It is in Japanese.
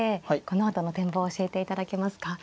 このあとの展望を教えていただけますか。